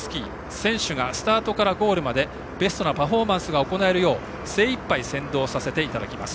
選手がスタートからゴールまでベストなパフォーマンスを行えるよう精いっぱい先導させていただきます。